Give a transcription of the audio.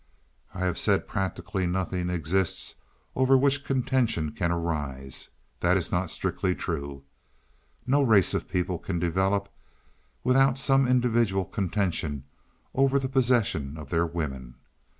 "I have said practically nothing exists over which contention can arise. That is not strictly true. No race of people can develop without some individual contention over the possession of their women.